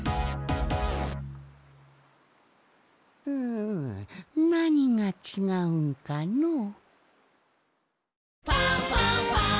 んなにがちがうんかのう。